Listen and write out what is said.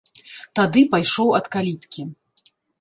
Тады пайшоў ад каліткі.